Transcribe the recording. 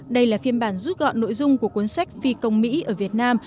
đây là phiên bản rút gọn nội dung của cuốn sách phi công mỹ ở việt nam